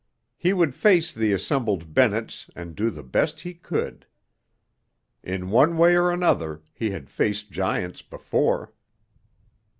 He would face the assembled Bennetts and do the best he could. In one way or another, he had faced giants before.